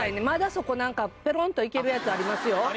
まだそこなんかペロンといけるやつありますよ。